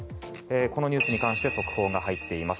このニュースに関して速報が入っています。